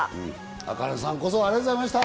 ａｋａｎｅさんこそありがとうございました。